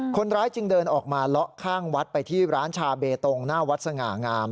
คนร้ายจึงเดินออกมาเลาะข้างวัดไปที่ร้านชาเบตงหน้าวัดสง่างาม